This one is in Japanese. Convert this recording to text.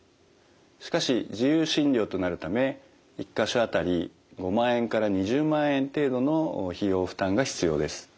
しかし自由診療となるため１か所あたり５万円から２０万円程度の費用負担が必要です。